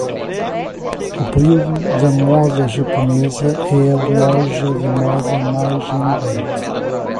O período da moda japonesa é a loja de moda mais elegante